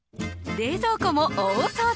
冷蔵庫も大掃除。